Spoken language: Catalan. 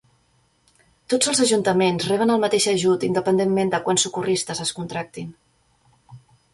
Tots els ajuntaments reben el mateix ajut independentment de quants socorristes es contractin.